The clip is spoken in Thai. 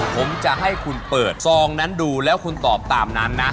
ผมจะให้คุณเปิดซองนั้นดูแล้วคุณตอบตามนั้นนะ